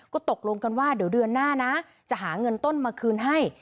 ก็ตกลงกันว่าเดี๋ยวเดือนหน้านะจะหาเงินต้นมาคืนให้